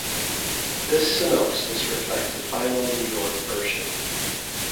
This synopsis reflects the final, New York version.